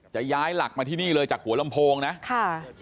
จะย้ายหลักมาที่นี่เลยจากหัวลำโพงนะค่ะ